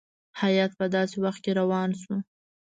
هیات په داسي وخت کې روان شو.